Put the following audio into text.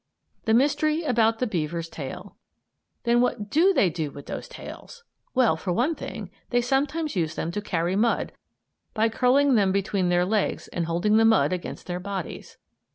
THAT MYSTERY ABOUT THE BEAVER'S TAIL Then what do they do with those tails? Well, for one thing, they sometimes use them to carry mud by curling them between their legs and holding the mud against their bodies.